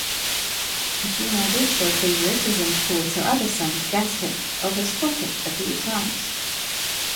Machina did show favoritism towards her other son, Gasket, over Sprocket a few times.